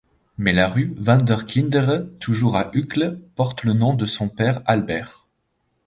Mais la rue Vanderkindere, toujours à Uccle, porte le nom de son père Albert.